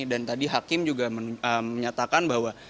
dan tadi hakim juga menyatakan bahwa